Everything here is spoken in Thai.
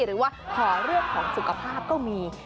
หรือว่าขอเรื่องของสุขภาพก็มี